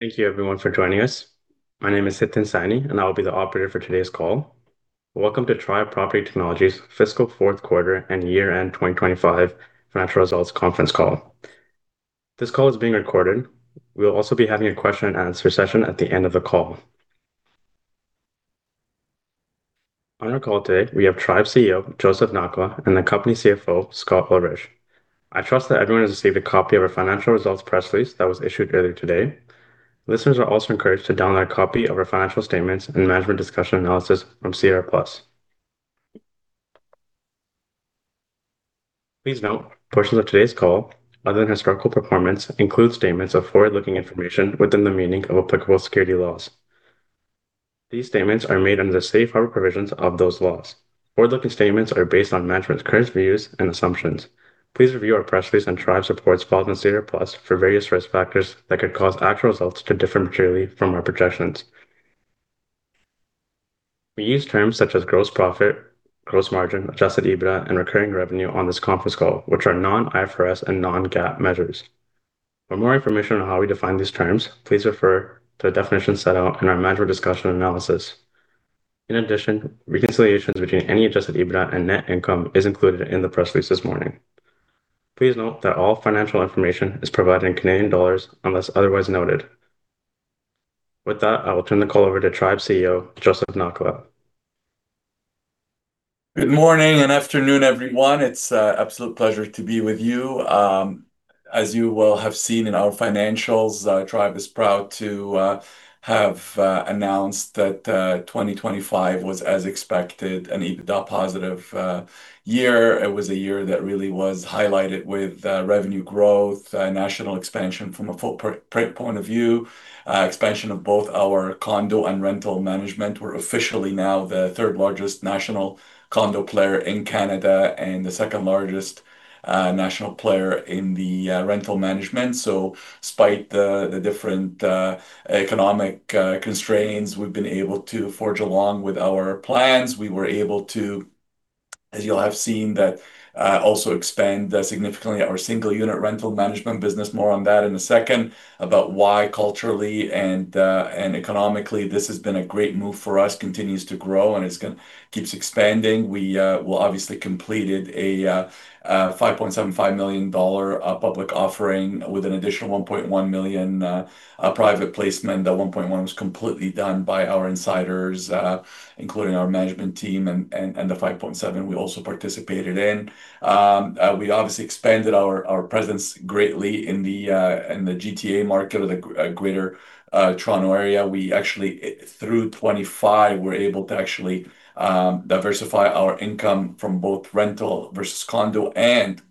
Thank you everyone for joining us. My name is Hiten Saini, and I will be the operator for today's call. Welcome to Tribe Property Technologies fiscal fourth quarter and year-end 2025 financial results conference call. This call is being recorded. We will also be having a question and answer session at the end of the call. On our call today, we have Tribe CEO, Joseph Nakhla, and the company CFO, Scott Ullrich. I trust that everyone has received a copy of our financial results press release that was issued earlier today. Listeners are also encouraged to download a copy of our financial statements and management discussion analysis from SEDAR+. Please note, portions of today's call, other than historical performance, include statements of forward-looking information within the meaning of applicable security laws. These statements are made under the safe harbor provisions of those laws. Forward-looking statements are based on management's current views and assumptions. Please review our press release and Tribe supports files in SEDAR+ for various risk factors that could cause actual results to differ materially from our projections. We use terms such as gross profit, gross margin, Adjusted EBITDA, and recurring revenue on this conference call, which are non-IFRS and non-GAAP measures. For more information on how we define these terms, please refer to the definition set out in our Management Discussion & Analysis. In addition, reconciliations between any Adjusted EBITDA and net income is included in the press release this morning. Please note that all financial information is provided in Canadian dollars unless otherwise noted. With that, I will turn the call over to Tribe CEO, Joseph Nakhla. Good morning and afternoon, everyone. It's a absolute pleasure to be with you. As you will have seen in our financials, Tribe is proud to have announced that 2025 was, as expected, an EBITDA positive year. It was a year that really was highlighted with revenue growth, national expansion from a footprint point of view. Expansion of both our condo and rental management. We're officially now the third-largest national condo player in Canada and the second-largest national player in the rental management. Spite the different economic constraints, we've been able to forge along with our plans. We were able to, as you'll have seen, that also expand significantly our single-unit rental management business. More on that in a second about why culturally and economically this has been a great move for us, continues to grow, and it keeps expanding. We obviously completed a 5.75 million dollar public offering with an additional 1.1 million private placement. That 1.1 million was completely done by our insiders, including our management team and the 5.7 million we also participated in. We obviously expanded our presence greatly in the GTA market or the greater Toronto area. We actually, through 25, were able to actually diversify our income from both rental versus condo and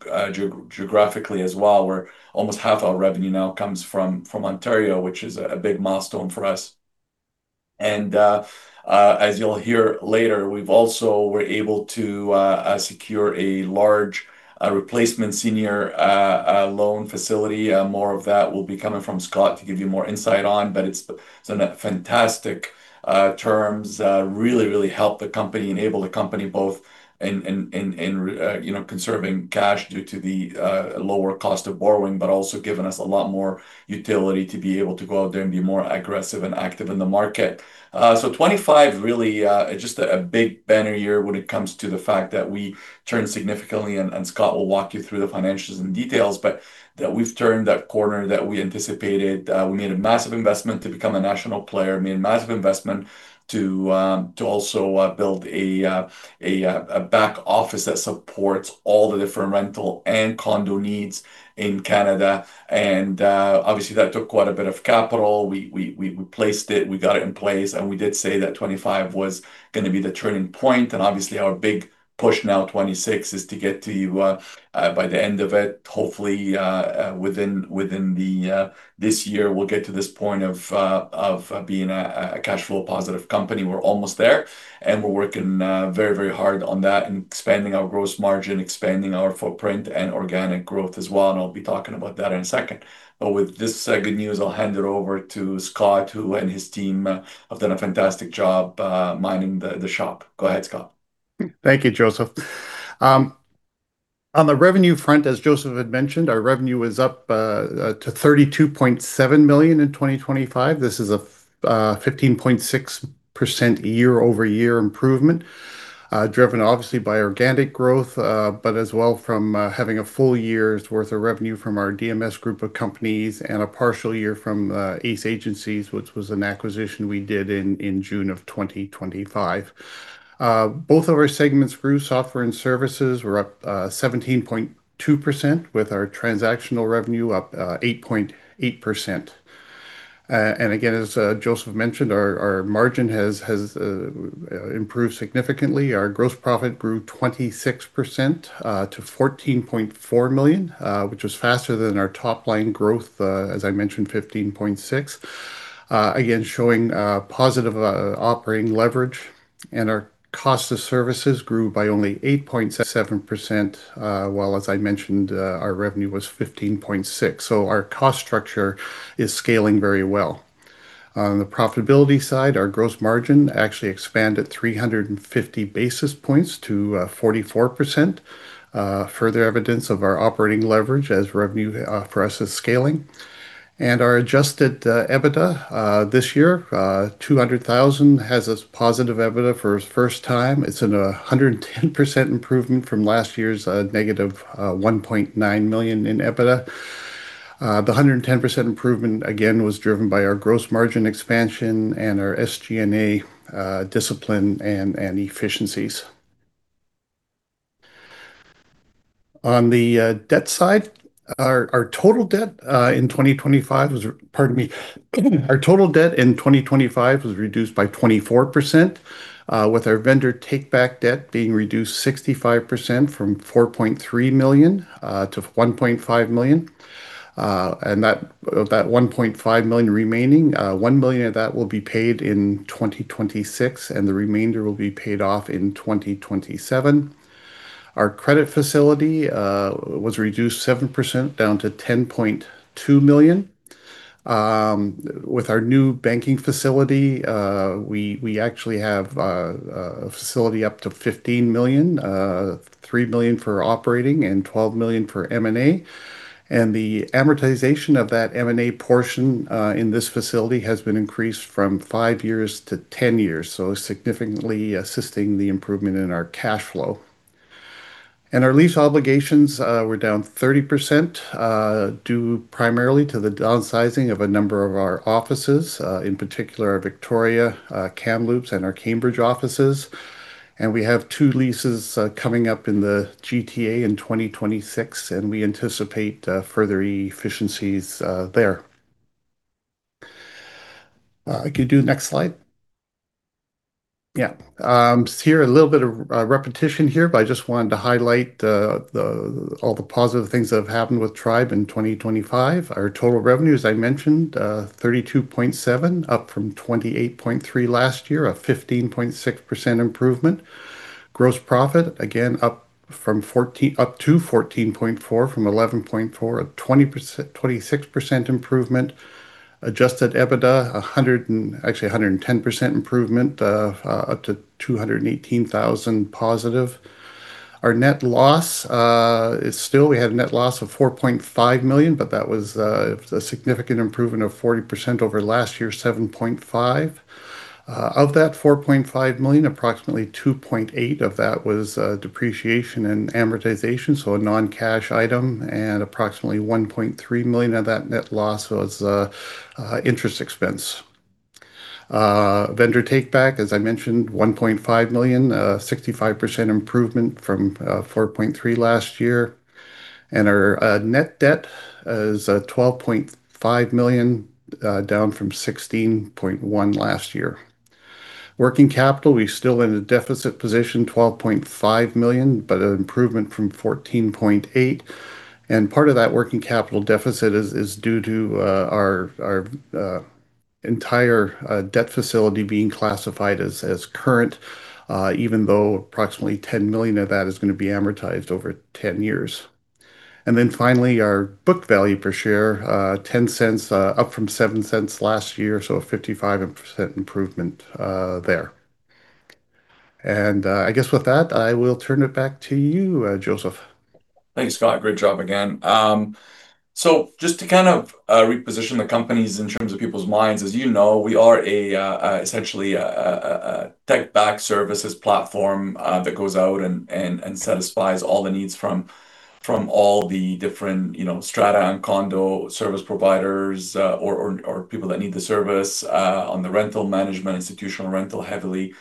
geographically as well, where almost half our revenue now comes from Ontario, which is a big milestone for us. As you'll hear later, we've also were able to secure a large replacement senior loan facility. More of that will be coming from Scott to give you more insight on, but it's been some fantastic terms. Really helped the company, enable the company both in, you know, conserving cash due to the lower cost of borrowing, but also given us a lot more utility to be able to go out there and be more aggressive and active in the market. 25 really just a big banner year when it comes to the fact that we turned significantly, and Scott will walk you through the financials and details, but that we've turned that corner that we anticipated. We made a massive investment to become a national player, made a massive investment to also build a back office that supports all the different rental and condo needs in Canada. Obviously, that took quite a bit of capital. We placed it, we got it in place, and we did say that 2025 was gonna be the turning point. Obviously, our big push now, 2026, is to get to by the end of it, hopefully, within this year, we'll get to this point of being a cash flow positive company. We're almost there. We're working very, very hard on that and expanding our gross margin, expanding our footprint and organic growth as well, and I'll be talking about that in a second. With this, good news, I'll hand it over to Scott, who and his team, have done a fantastic job, minding the shop. Go ahead, Scott. Thank you, Joseph. On the revenue front, as Joseph had mentioned, our revenue is up to 32.7 million in 2025. This is a 15.6% year-over-year improvement, driven obviously by organic growth, but as well from having a full year's worth of revenue from our DMS group of companies and a partial year from Ace Agencies, which was an acquisition we did in June of 2025. Both of our segments grew. Software and services were up 17.2% with our transactional revenue up 8.8%. Again, as Joseph mentioned, our margin has improved significantly. Our gross profit grew 26% to 14.4 million, which was faster than our top line growth, as I mentioned, 15.6%. Again, showing positive operating leverage. Our cost of services grew by only 8.7%, while as I mentioned, our revenue was 15.6%. Our cost structure is scaling very well. On the profitability side, our gross margin actually expanded 350 basis points to 44%. Further evidence of our operating leverage as revenue for us is scaling. Our Adjusted EBITDA this year, 200,000, has a positive EBITDA for the first time. It's a 110% improvement from last year's negative 1.9 million in EBITDA. The 110% improvement again was driven by our gross margin expansion and our SG&A discipline and efficiencies. Pardon me. Our total debt in 2025 was reduced by 24%, with our vendor take-back debt being reduced 65% from 4.3 million to 1.5 million. Of that 1.5 million remaining, 1 million of that will be paid in 2026, and the remainder will be paid off in 2027. Our credit facility was reduced 7%, down to 10.2 million. With our new banking facility, we actually have a facility up to 15 million, 3 million for operating and 12 million for M&A. The amortization of that M&A portion in this facility has been increased from 5 years to 10 years, so significantly assisting the improvement in our cash flow. Our lease obligations were down 30% due primarily to the downsizing of a number of our offices, in particular our Victoria, Kamloops, and our Cambridge offices. We have 2 leases coming up in the GTA in 2026, and we anticipate further efficiencies there. Could you do the next slide? Yeah. Just here a little bit of repetition here, but I just wanted to highlight all the positive things that have happened with Tribe in 2025. Our total revenue, as I mentioned, 32.7 million, up from 28.3 million last year, a 15.6% improvement. Gross profit, again, up to 14.4 from 11.4, a 26% improvement. Adjusted EBITDA, actually a 110% improvement, up to 218,000 positive. Our net loss is still, we have net loss of 4.5 million, but that was a significant improvement of 40% over last year's 7.5 million. Of that 4.5 million, approximately 2.8 million of that was depreciation and amortization, so a non-cash item, and approximately 1.3 million of that net loss was interest expense. Vendor take-back, as I mentioned, 1.5 million, 65% improvement from 4.3 million last year. Our net debt is 12.5 million, down from 16.1 million last year. Working capital, we're still in a deficit position, 12.5 million, but an improvement from 14.8 million. Part of that working capital deficit is due to our entire debt facility being classified as current, even though approximately 10 million of that is gonna be amortized over 10 years. Finally, our book value per share, 0.10, up from 0.07 last year, so a 55% improvement there. I guess with that, I will turn it back to you, Joseph. Thanks, Scott. Great job again. Just to kind of reposition the companies in terms of people's minds, as you know, we are essentially a tech-backed services platform that goes out and and and satisfies all the needs from from all the different, you know, strata and condo service providers or people that need the service on the rental management, institutional rental heavily,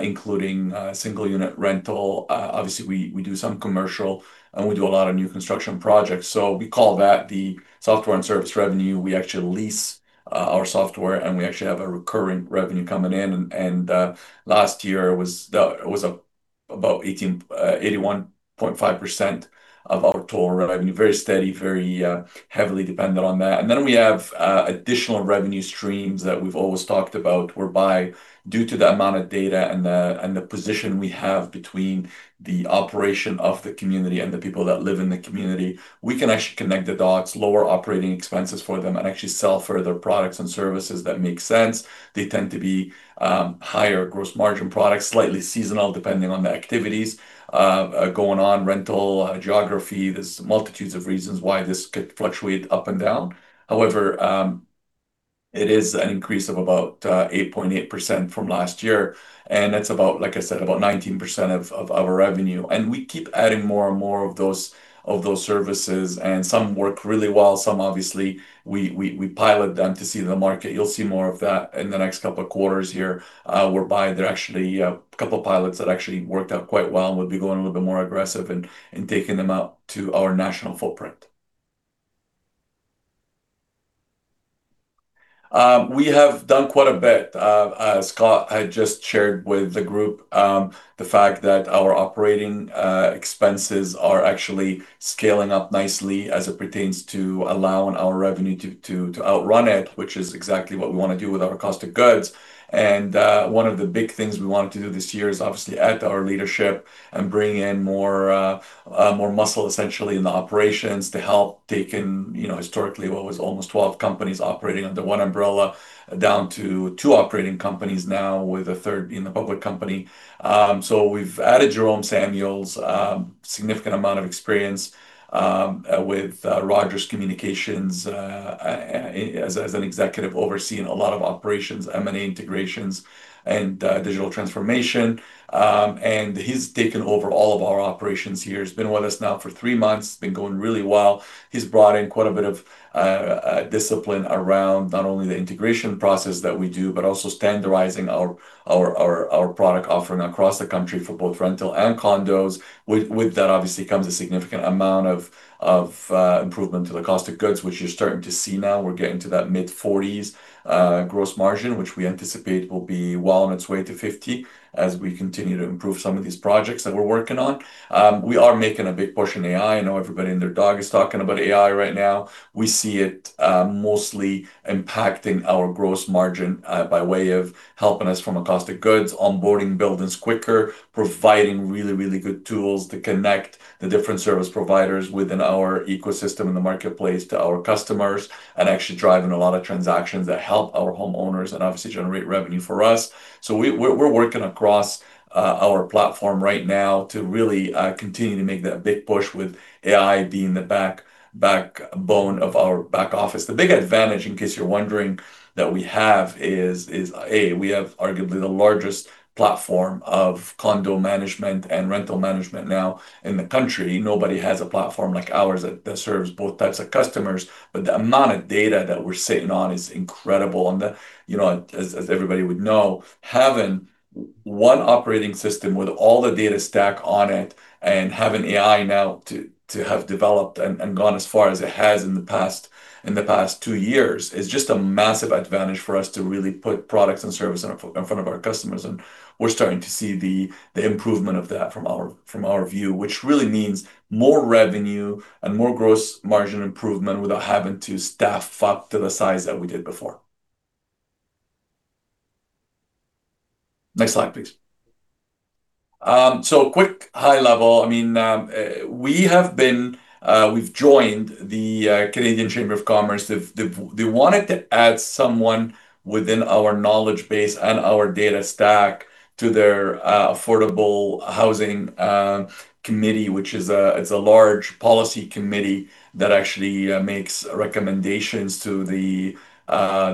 including single unit rental. Obviously, we do some commercial, and we do a lot of new construction projects. We call that the software and service revenue. We actually lease our software, and we actually have a recurring revenue coming in. Last year it was about 81.5% of our total revenue. Very steady, very heavily dependent on that. We have additional revenue streams that we've always talked about, whereby due to the amount of data and the position we have between the operation of the community and the people that live in the community, we can actually connect the dots, lower operating expenses for them, and actually sell further products and services that make sense. They tend to be higher gross margin products, slightly seasonal depending on the activities going on, rental geography. There's multitudes of reasons why this could fluctuate up and down. However, it is an increase of about 8.8% from last year, and that's about, like I said, about 19% of our revenue. We keep adding more and more of those services, and some work really well. Some obviously we pilot them to see the market. You'll see more of that in the next couple of quarters here, whereby there are actually a couple of pilots that actually worked out quite well and we'll be going a little bit more aggressive and taking them out to our national footprint. We have done quite a bit. As Scott had just shared with the group, the fact that our operating expenses are actually scaling up nicely as it pertains to allowing our revenue to outrun it, which is exactly what we wanna do with our cost of goods. One of the big things we wanted to do this year is obviously add to our leadership and bring in more muscle, essentially, in the operations to help take in, you know, historically what was almost 12 companies operating under 1 umbrella, down to 2 operating companies now with a third in the public company. So we've added Jerome Samuels, significant amount of experience with Rogers Communications as an executive overseeing a lot of operations, M&A integrations and digital transformation. He's taken over all of our operations here. He's been with us now for 3 months, been going really well. He's brought in quite a bit of discipline around not only the integration process that we do, but also standardizing our product offering across the country for both rental and condos. With that obviously comes a significant amount of improvement to the cost of goods, which you're starting to see now. We're getting to that mid-40s% gross margin, which we anticipate will be well on its way to 50% as we continue to improve some of these projects that we're working on. We are making a big push in AI. I know everybody and their dog is talking about AI right now. We see it mostly impacting our gross margin by way of helping us from a cost of goods, onboarding buildings quicker, providing really, really good tools to connect the different service providers within our ecosystem in the marketplace to our customers, and actually driving a lot of transactions that help our homeowners and obviously generate revenue for us. We're working across our platform right now to really continue to make that big push with AI being the backbone of our back office. The big advantage, in case you're wondering, that we have is A, we have arguably the largest platform of condo management and rental management now in the country. Nobody has a platform like ours that serves both types of customers, but the amount of data that we're sitting on is incredible. You know, as everybody would know, having one operating system with all the data stack on it and having AI now to have developed and gone as far as it has in the past two years, is just a massive advantage for us to really put products and service in front of our customers, and we're starting to see the improvement of that from our view, which really means more revenue and more gross margin improvement without having to staff up to the size that we did before. Next slide, please. Quick high level. I mean, we've joined the Canadian Chamber of Commerce. They wanted to add someone within our knowledge base and our data stack to their affordable housing committee, which is, it's a large policy committee that actually makes recommendations to the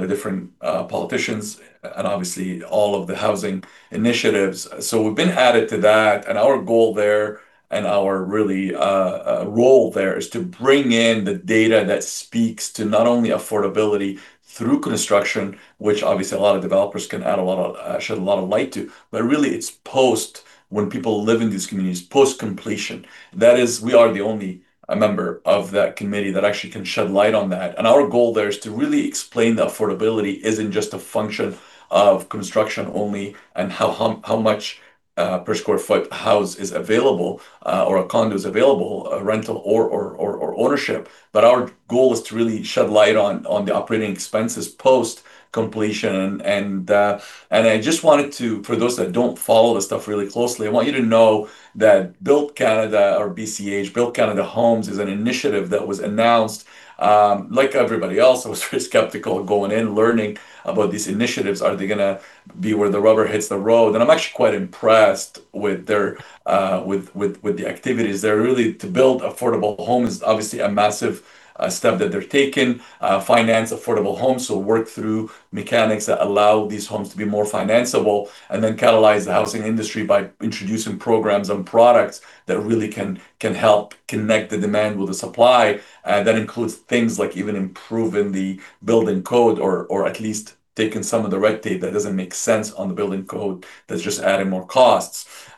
different politicians and obviously all of the housing initiatives. We've been added to that. Our goal there, and our really role there is to bring in the data that speaks to not only affordability through construction, which obviously a lot of developers can add a lot of, shed a lot of light to, but really it's post when people live in these communities, post-completion. That is, we are the only member of that committee that actually can shed light on that. Our goal there is to really explain that affordability isn't just a function of construction only and how much per square foot house is available, or a condo is available, rental or ownership. Our goal is to really shed light on the operating expenses post-completion. I just wanted to, for those that don't follow this stuff really closely, I want you to know that Build Canada or BCH, Build Canada Homes, is an initiative that was announced. Like everybody else, I was very skeptical going in, learning about these initiatives. Are they gonna be where the rubber hits the road? I'm actually quite impressed with their activities. They're really to build affordable homes, obviously a massive step that they're taking. Finance affordable homes, work through mechanics that allow these homes to be more financeable, catalyze the housing industry by introducing programs and products that really can help connect the demand with the supply. That includes things like even improving the building code or at least taking some of the red tape that doesn't make sense on the building code that's just adding more costs.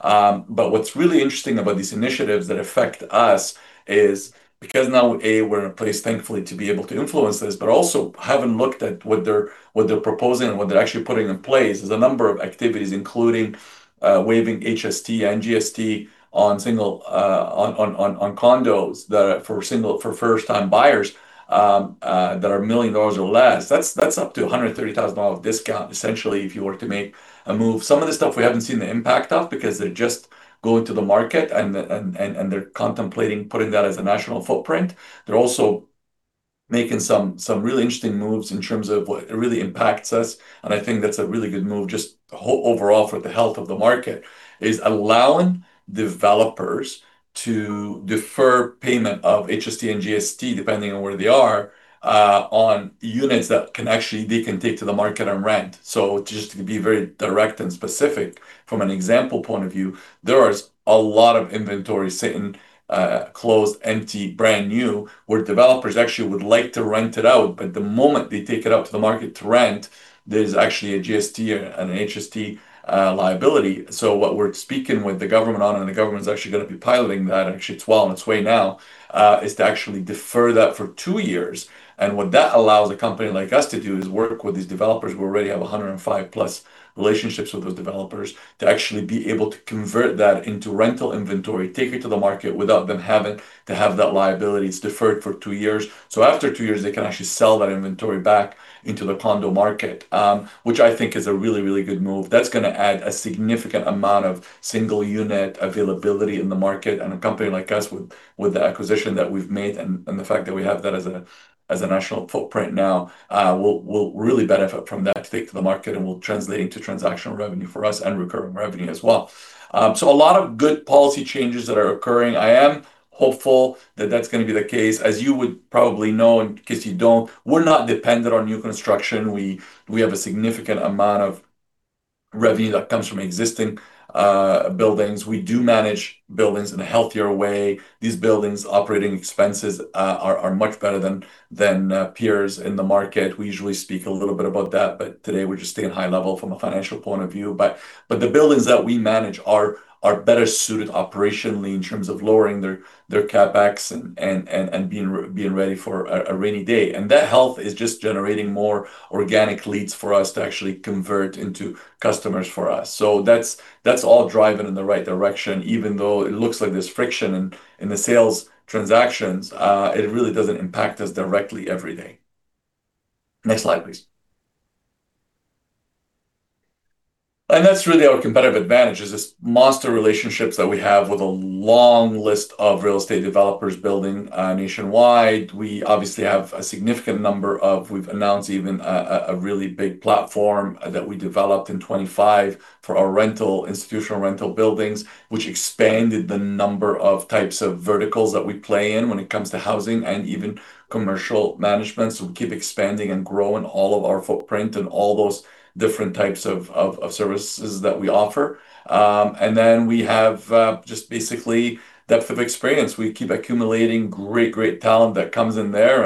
What's really interesting about these initiatives that affect us is because now, A, we're in a place, thankfully, to be able to influence this, also having looked at what they're proposing and what they're actually putting in place is a number of activities including waiving HST and GST on single on condos that are for first-time buyers that are 1 million dollars or less. That's up to a 130,000 dollar discount, essentially, if you were to make a move. Some of the stuff we haven't seen the impact of because they're just going to the market and they're contemplating putting that as a national footprint. They're also making some really interesting moves in terms of what really impacts us, and I think that's a really good move just overall for the health of the market, is allowing Developers to defer payment of HST and GST depending on where they are on units that can actually they can take to the market and rent. Just to be very direct and specific from an example point of view, there is a lot of inventory sitting, closed, empty, brand new, where developers actually would like to rent it out, but the moment they take it out to the market to rent, there's actually a GST and an HST liability. What we're speaking with the government on, and the government is actually gonna be piloting that, actually it's well on its way now, is to actually defer that for two years. What that allows a company like us to do is work with these developers. We already have 105 plus relationships with those developers to actually be able to convert that into rental inventory, take it to the market without them having to have that liability. It's deferred for two years. After two years, they can actually sell that inventory back into the condo market, which I think is a really, really good move. That's gonna add a significant amount of single unit availability in the market. A company like us with the acquisition that we've made and the fact that we have that as a national footprint now, we'll really benefit from that take to the market, and will translate into transactional revenue for us and recurring revenue as well. A lot of good policy changes that are occurring. I am hopeful that that's gonna be the case. As you would probably know, in case you don't, we're not dependent on new construction. We have a significant amount of revenue that comes from existing buildings. We do manage buildings in a healthier way. These buildings' operating expenses are much better than peers in the market. We usually speak a little bit about that, but today we're just staying high level from a financial point of view. The buildings that we manage are better suited operationally in terms of lowering their CapEx and being ready for a rainy day. That health is just generating more organic leads for us to actually convert into customers for us. That's all driving in the right direction. Even though it looks like there's friction in the sales transactions, it really doesn't impact us directly every day. Next slide, please. That's really our competitive advantage, is this monster relationships that we have with a long list of real estate developers building nationwide. We obviously have a significant number of. We've announced even a really big platform that we developed in 2025 for our rental, institutional rental buildings, which expanded the number of types of verticals that we play in when it comes to housing and even commercial management. We keep expanding and growing all of our footprint and all those different types of services that we offer. Then we have just basically depth of experience. We keep accumulating great talent that comes in there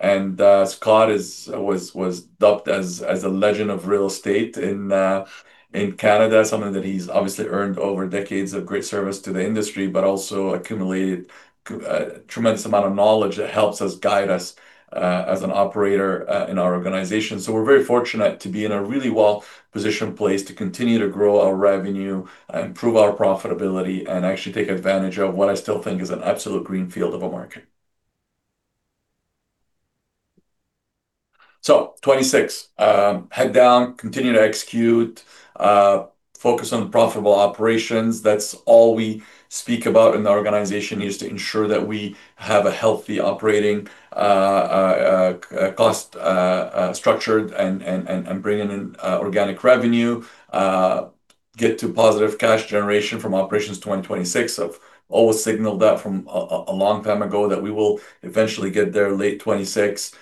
and Scott was dubbed as a legend of real estate in Canada, something that he's obviously earned over decades of great service to the industry, but also accumulated a tremendous amount of knowledge that helps us guide us as an operator in our organization. We're very fortunate to be in a really well-positioned place to continue to grow our revenue, improve our profitability, and actually take advantage of what I still think is an absolute greenfield of a market. 2026, head down, continue to execute, focus on profitable operations. That's all we speak about in the organization, is to ensure that we have a healthy operating cost structure and bringing in organic revenue, get to positive cash generation from operations 2026. I've always signaled that from a long time ago that we will eventually get there late 2026.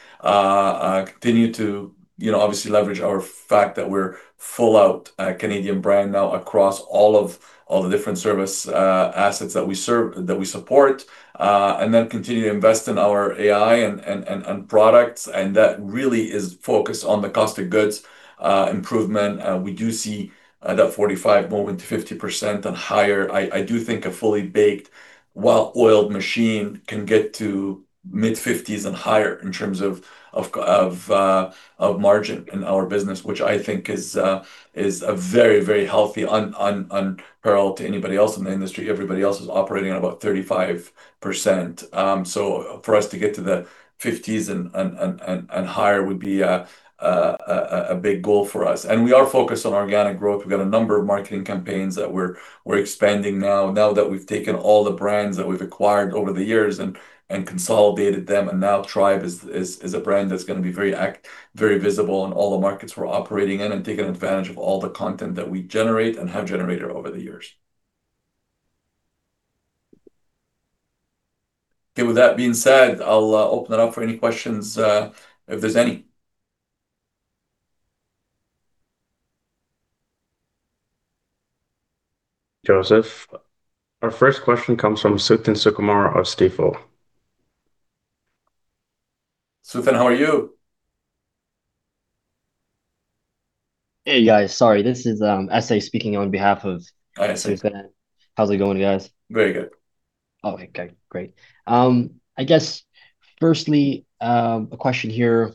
Continue to, you know, obviously leverage our fact that we're full out Canadian brand now across all of the different service assets that we support. Continue to invest in our AI and products, and that really is focused on the cost of goods improvement. We do see that 45% moving to 50% and higher. I do think a fully baked well-oiled machine can get to mid-fifties and higher in terms of margin in our business, which I think is a very, very healthy unparalleled to anybody else in the industry. Everybody else is operating at about 35%. For us to get to the fifties and higher would be a big goal for us. We are focused on organic growth. We've got a number of marketing campaigns that we're expanding now that we've taken all the brands that we've acquired over the years and consolidated them. Now Tribe is a brand that's gonna be very visible in all the markets we're operating in and taking advantage of all the content that we generate and have generated over the years. With that being said, I'll open it up for any questions if there's any. Joseph, our first question comes from Suthan Sukumar of Stifel. Suthan, how are you? Hey, guys. Sorry. This is Essa speaking on behalf of Suthan. How's it going, guys? Very good. Okay, great. I guess firstly, a question here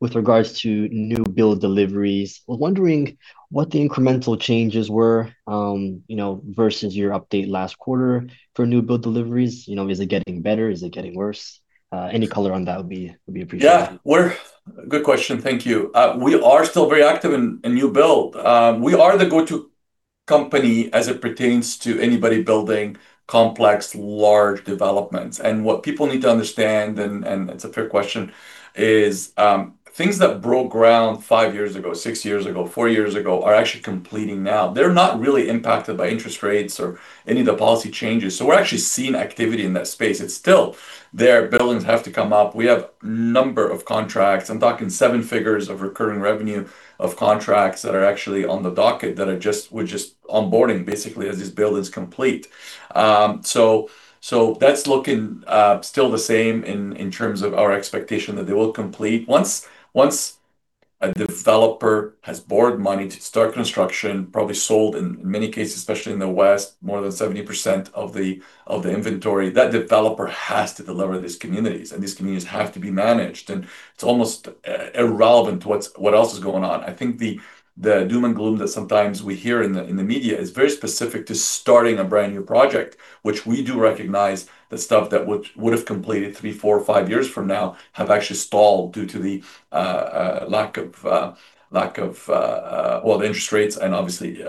with regards to new build deliveries. Was wondering what the incremental changes were, you know, versus your update last quarter for new build deliveries. You know, is it getting better? Is it getting worse? Any color on that would be appreciated. Yeah. Good question. Thank you. We are still very active in new build. We are the go-to company as it pertains to anybody building complex, large developments. What people need to understand, and it's a fair question, is, things that broke ground five years ago, six years ago, four years ago, are actually completing now. They're not really impacted by interest rates or any of the policy changes. We're actually seeing activity in that space. It's still there. Buildings have to come up. We have number of contracts. I'm talking seven figures of recurring revenue of contracts that are actually on the docket that we're just onboarding basically as these buildings complete. That's looking still the same in terms of our expectation that they will complete. Once a developer has borrowed money to start construction, probably sold in many cases, especially in the West, more than 70% of the inventory, that developer has to deliver these communities, and these communities have to be managed, and it's almost irrelevant what else is going on. I think the doom and gloom that sometimes we hear in the media is very specific to starting a brand-new project, which we do recognize that stuff that would have completed 3, 4, 5 years from now have actually stalled due to the lack of, well, the interest rates and obviously,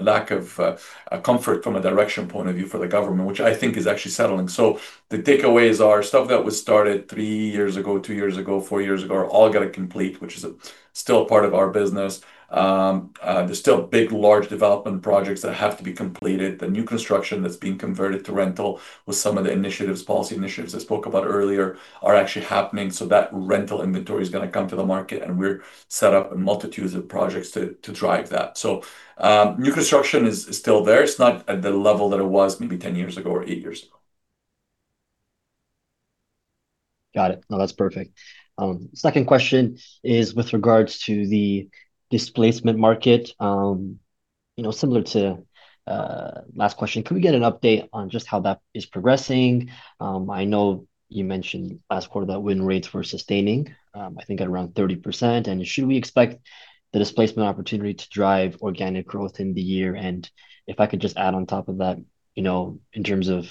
lack of comfort from a direction point of view for the government, which I think is actually settling. The takeaways are stuff that was started three years ago, two years ago, four years ago, are all gonna complete, which is still a part of our business. There's still big, large development projects that have to be completed. The new construction that's being converted to rental with some of the initiatives, policy initiatives I spoke about earlier are actually happening, so that rental inventory is gonna come to the market, and we're set up in multitudes of projects to drive that. New construction is still there. It's not at the level that it was maybe 10 years ago or eight years ago. Got it. No, that's perfect. Second question is with regards to the displacement market. You know, similar to last question, could we get an update on just how that is progressing? I know you mentioned last quarter that win rates were sustaining, I think at around 30%. Should we expect the displacement opportunity to drive organic growth in the year? If I could just add on top of that, you know, in terms of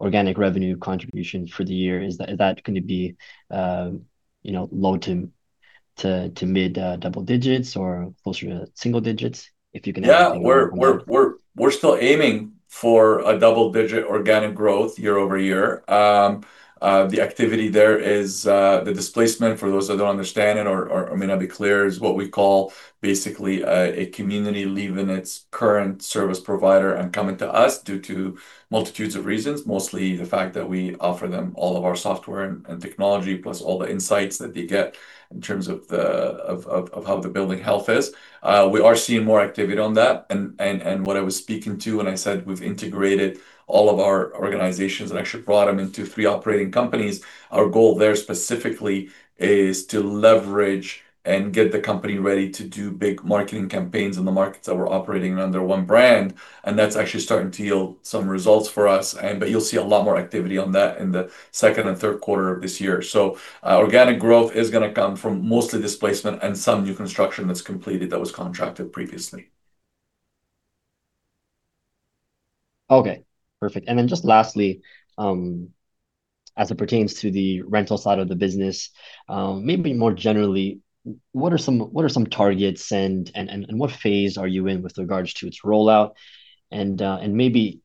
organic revenue contribution for the year, is that, is that gonna be, you know, low to mid double digits or closer to single-digits, if you can? Yeah. We're still aiming for a double-digit organic growth year-over-year. The activity there is the displacement, for those that don't understand it or I may not be clear, is what we call basically a community leaving its current service provider and coming to us due to multitudes of reasons. Mostly the fact that we offer them all of our software and technology, plus all the insights that they get in terms of how the building health is. We are seeing more activity on that and what I was speaking to when I said we've integrated all of our organizations and actually brought them into three operating companies, our goal there specifically is to leverage and get the company ready to do big marketing campaigns in the markets that we're operating under one brand, and that's actually starting to yield some results for us but you'll see a lot more activity on that in the second and third quarter of this year. Organic growth is gonna come from mostly displacement and some new construction that's completed that was contracted previously. Okay. Perfect. Just lastly, as it pertains to the rental side of the business, maybe more generally, what are some targets and what phase are you in with regards to its rollout? Maybe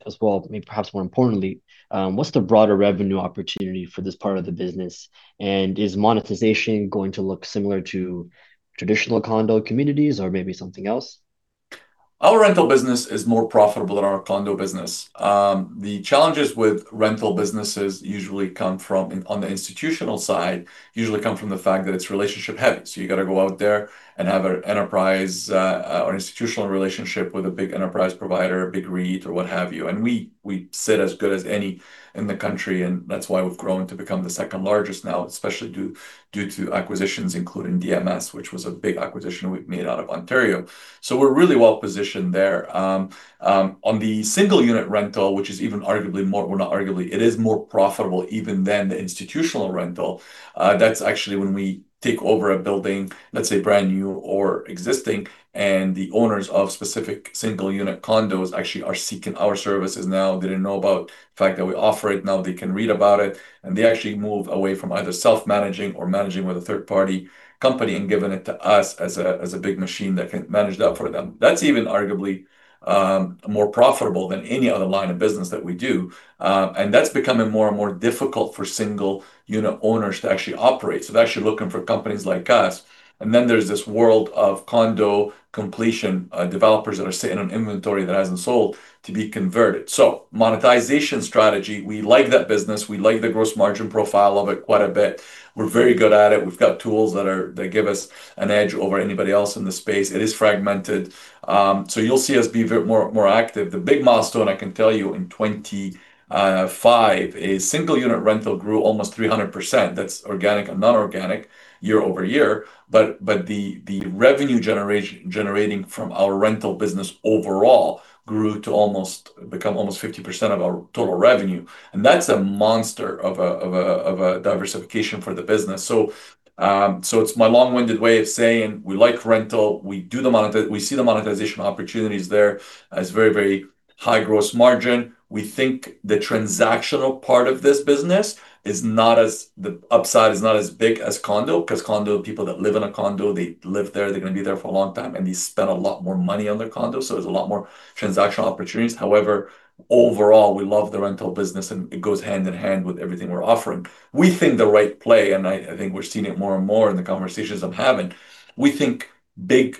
perhaps more importantly, what's the broader revenue opportunity for this part of the business? Is monetization going to look similar to traditional condo communities or maybe something else? Our rental business is more profitable than our condo business. The challenges with rental businesses usually come from on the institutional side usually come from the fact that it's relationship heavy. You gotta go out there and have an enterprise, or institutional relationship with a big enterprise provider, a big REIT or what have you. We, we sit as good as any in the country, and that's why we've grown to become the second-largest now, especially due to acquisitions, including DMS, which was a big acquisition we made out of Ontario. We're really well-positioned there. On the single unit rental, which is even arguably more, well, not arguably, it is more profitable even than the institutional rental. That's actually when we take over a building, let's say brand new or existing, and the owners of specific single unit condos actually are seeking our services now. They didn't know about the fact that we offer it. Now they can read about it, and they actually move away from either self-managing or managing with a third party company and giving it to us as a, as a big machine that can manage that for them. That's even arguably more profitable than any other line of business that we do. That's becoming more and more difficult for single unit owners to actually operate, so they're actually looking for companies like us. There's this world of condo completion developers that are sitting on inventory that hasn't sold to be converted. Monetization strategy, we like that business. We like the gross margin profile of it quite a bit. We're very good at it. We've got tools that give us an edge over anybody else in the space. It is fragmented. You'll see us be a bit more active. The big milestone I can tell you in 2025 is single unit rental grew almost 300%. That's organic and non-organic year-over-year. The revenue generating from our rental business overall grew to become almost 50% of our total revenue. That's a monster of a diversification for the business. It's my long-winded way of saying we like rental. We see the monetization opportunities there as very high gross margin. We think the transactional part of this business is the upside is not as big as condo, 'cause condo, people that live in a condo, they live there, they're gonna be there for a long time, and they spend a lot more money on their condo, so there's a lot more transactional opportunities. Overall, we love the rental business and it goes hand-in-hand with everything we're offering. We think the right play, and I think we're seeing it more and more in the conversations I'm having, we think big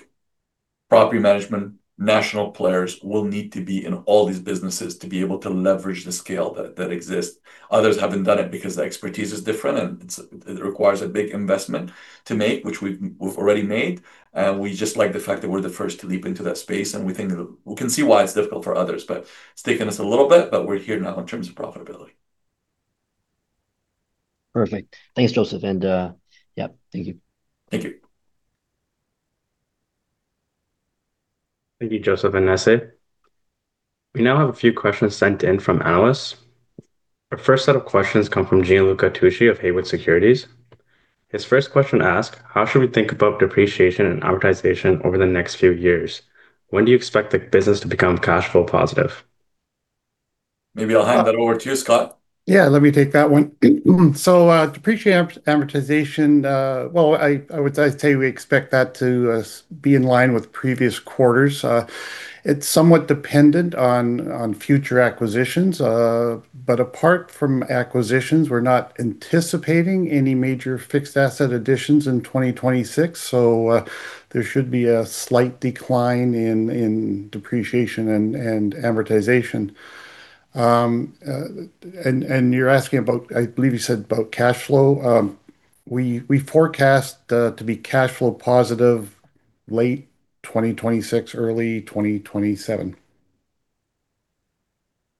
property management national players will need to be in all these businesses to be able to leverage the scale that exists. Others haven't done it because the expertise is different and it requires a big investment to make, which we've already made. We just like the fact that we're the first to leap into that space, and we think that we can see why it's difficult for others. It's taken us a little bit, but we're here now in terms of profitability. Perfect. Thanks, Joseph. Yep. Thank you. Thank you. Thank you, Joseph and Essa. We now have a few questions sent in from analysts. Our first set of questions come from Gianluca Tucci of Haywood Securities. His first question asks: How should we think about depreciation and amortization over the next few years? When do you expect the business to become cash flow positive? Maybe I'll hand that over to you, Scott. Yeah, let me take that one. I would say we expect that to be in line with previous quarters. It's somewhat dependent on future acquisitions. Apart from acquisitions, we're not anticipating any major fixed asset additions in 2026. There should be a slight decline in depreciation and amortization. And you're asking about, I believe you said about cash flow. We forecast to be cash flow positive late 2026, early 2027.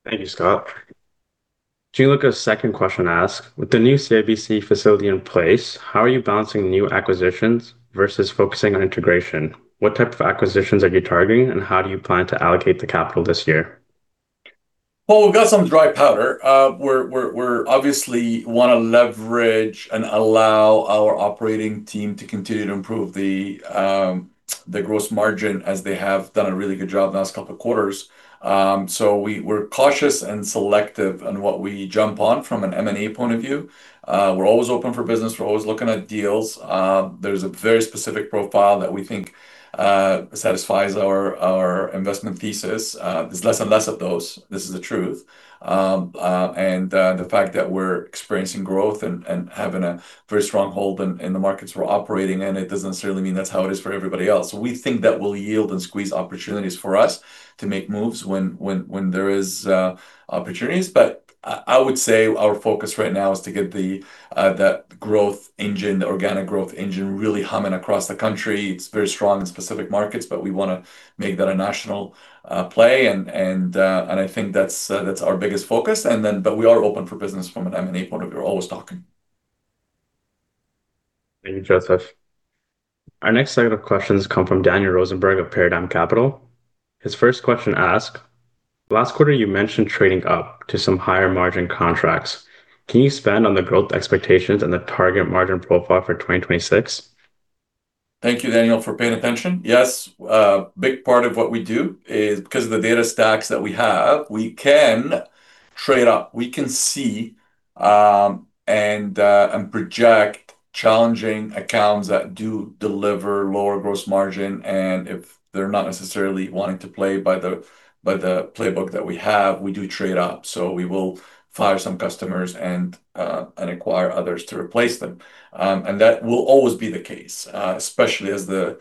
Thank you, Scott. Gianluca's second question asks: With the new CIBC facility in place, how are you balancing new acquisitions versus focusing on integration? What type of acquisitions are you targeting, and how do you plan to allocate the capital this year? Well, we've got some dry powder. We're obviously wanna leverage and allow our operating team to continue to improve the gross margin as they have done a really good job the last couple quarters. We're cautious and selective on what we jump on from an M&A point of view. We're always open for business. We're always looking at deals. There's a very specific profile that we think satisfies our investment thesis. There's less and less of those. This is the truth. The fact that we're experiencing growth and having a very strong hold in the markets we're operating in, it doesn't necessarily mean that's how it is for everybody else. We think that will yield and squeeze opportunities for us to make moves when there is opportunities. I would say our focus right now is to get the that growth engine, the organic growth engine really humming across the country. It's very strong in specific markets, but we wanna make that a national play and, and I think that's that's our biggest focus. We are open for business from an M&A point of view. We're always talking. Thank you, Joseph. Our next set of questions come from Daniel Rosenberg of Paradigm Capital. His first question asks: Last quarter, you mentioned trading up to some higher margin contracts. Can you expand on the growth expectations and the target margin profile for 2026? Thank you, Daniel, for paying attention. Yes, big part of what we do is because of the data stacks that we have, we can trade up. We can see and project challenging accounts that do deliver lower gross margin. If they're not necessarily wanting to play by the playbook that we have, we do trade up. We will fire some customers and acquire others to replace them. That will always be the case, especially as the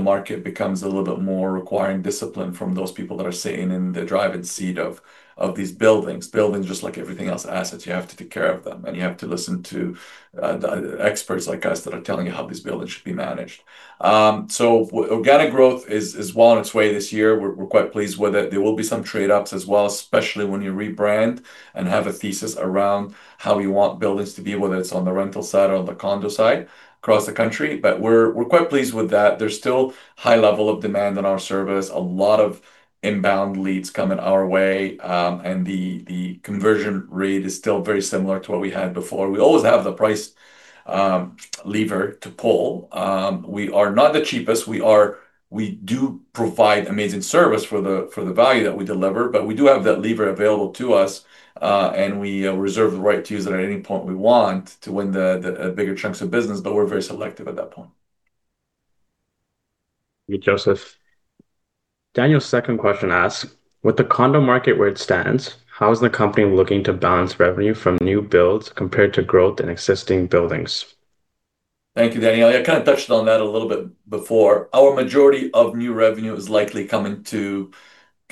market becomes a little bit more requiring discipline from those people that are sitting in the driving seat of these buildings. Buildings, just like everything else, assets, you have to take care of them, and you have to listen to the experts like us that are telling you how these buildings should be managed. Organic growth is well on its way this year. We're quite pleased with it. There will be some trade-ups as well, especially when you rebrand and have a thesis around how you want buildings to be, whether it's on the rental side or on the condo side across the country. We're quite pleased with that. There's still high level of demand on our service. A lot of inbound leads coming our way, and the conversion rate is still very similar to what we had before. We always have the price lever to pull. We are not the cheapest. We do provide amazing service for the, for the value that we deliver, but we do have that lever available to us, and we reserve the right to use it at any point we want to win the bigger chunks of business, but we're very selective at that point. Thank you, Joseph. Daniel's second question asks: With the condo market where it stands, how is the company looking to balance revenue from new builds compared to growth in existing buildings? Thank you, Daniel. Yeah, I kinda touched on that a little bit before. Our majority of new revenue is likely coming to,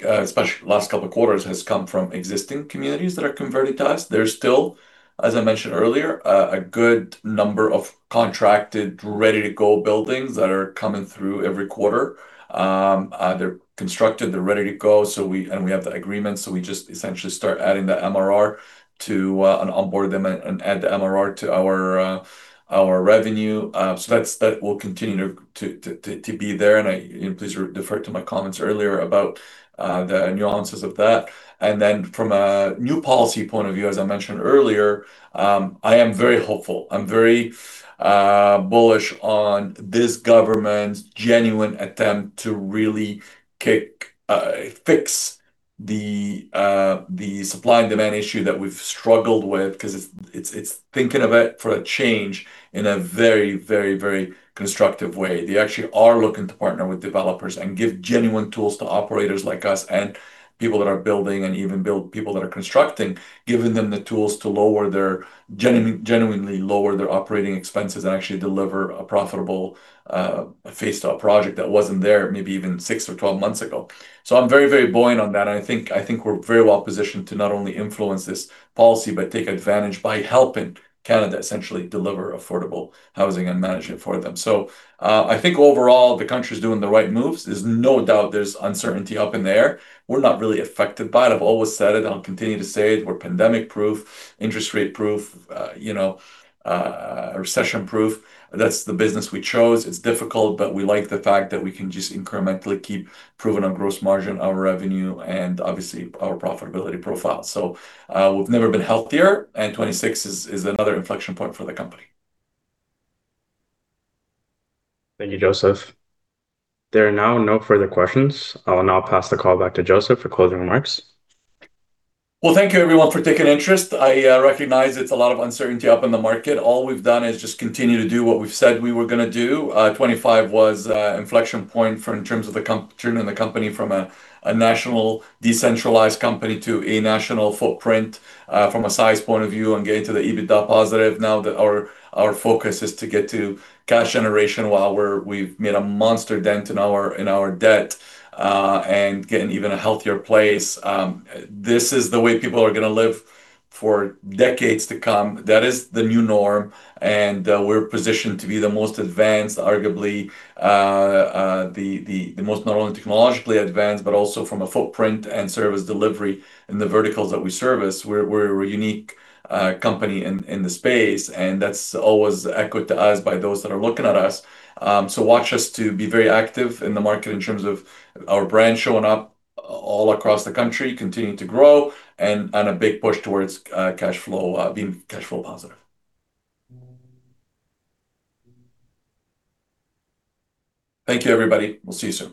especially last couple quarters, has come from existing communities that are converting to us. There's still, as I mentioned earlier, a good number of contracted, ready-to-go buildings that are coming through every quarter. They're constructed, they're ready to go, so we have the agreements. We just essentially start adding the MRR to, and onboard them and add the MRR to our revenue. That will continue to be there. I, you know, please refer to my comments earlier about the nuances of that. From a new policy point of view, as I mentioned earlier, I am very hopeful. I'm very bullish on this government's genuine attempt to really kick, fix the supply and demand issue that we've struggled with 'cause it's thinking of it for a change in a very constructive way. They actually are looking to partner with developers and give genuine tools to operators like us and people that are building and even people that are constructing, giving them the tools to lower their genuinely lower their operating expenses and actually deliver a profitable face to our project that wasn't there maybe even 6 or 12 months ago. I'm very buoyant on that, and I think we're very well-positioned to not only influence this policy, but take advantage by helping Canada essentially deliver affordable housing and manage it for them. I think overall the country's doing the right moves. There's no doubt there's uncertainty up in the air. We're not really affected by it. I've always said it, and I'll continue to say it. We're pandemic-proof, interest rate-proof, you know, recession-proof. That's the business we chose. It's difficult, but we like the fact that we can just incrementally keep proving our gross margin, our revenue, and obviously our profitability profile. We've never been healthier, and 2026 is another inflection point for the company. Thank you, Joseph. There are now no further questions. I will now pass the call back to Joseph for closing remarks. Well, thank you everyone for taking an interest. I recognize it's a lot of uncertainty up in the market. All we've done is just continue to do what we've said we were gonna do. 25 was a inflection point for in terms of turning the company from a national decentralized company to a national footprint from a size point of view and getting to the EBITDA positive. Now that our focus is to get to cash generation while we've made a monster dent in our debt and get in even a healthier place. This is the way people are gonna live for decades to come. That is the new norm. We're positioned to be the most advanced, arguably, the most not only technologically advanced but also from a footprint and service delivery in the verticals that we service. We're a unique company in the space. That's always echoed to us by those that are looking at us. Watch us to be very active in the market in terms of our brand showing up all across the country, continuing to grow and a big push towards cash flow being cash flow positive. Thank you, everybody. We'll see you soon.